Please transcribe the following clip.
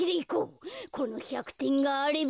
この１００てんがあれば。